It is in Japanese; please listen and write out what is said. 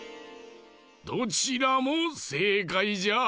どちらもせいかいじゃ。